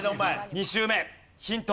２周目ヒント